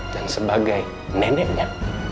dan sebagai neneknya